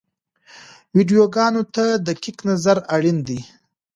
ویډیوګانو ته دقیق نظر اړین دی.